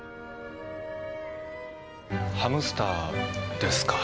ハムスターですか。